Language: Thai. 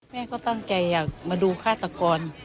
แม่ก็ตั้งใจอยากมาดูฆาตกร